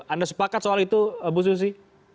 anda sepakat soal itu bu susi